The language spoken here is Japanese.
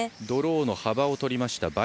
ドローの幅をとりました